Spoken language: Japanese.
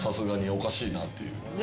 おかしいなっていう。